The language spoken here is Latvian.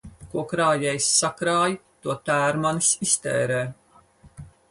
Ko krājējs sakrāj, to tērmanis iztērē.